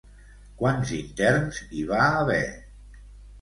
Quants interns hi va haver?